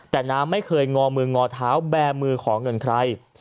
แต่น้าไม่เคยงอมืองอเท้าแบร์มือขอเงินใคร